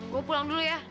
gue pulang dulu ya